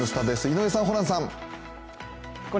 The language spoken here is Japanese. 井上さん、ホランさん。